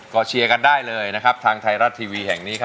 ก็เชียร์กันได้เลยทางไทยรัฐทีวีแห่งนี้